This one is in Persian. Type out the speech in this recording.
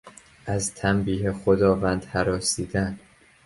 از تنبیه خداوند هراسیدن